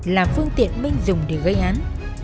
là phương tiện minh dùng để gây án